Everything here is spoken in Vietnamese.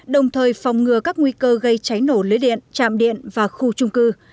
đồng thời phòng ngừa các nguy cơ gây cháy nổ lưới điện chạm điện và khu trung cư